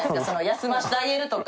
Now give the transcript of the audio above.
休ませてあげるとか。